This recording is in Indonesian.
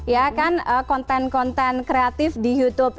ya kan konten konten kreatif di youtube